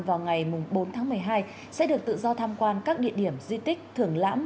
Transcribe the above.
vào ngày bốn tháng một mươi hai sẽ được tự do tham quan các địa điểm di tích thường lãm